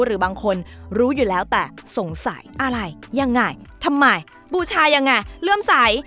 หรือบางคนรู้อยู่แล้วแต่สงสัยอะไรยังไงทำไมบูชายังไงเลื่อมใส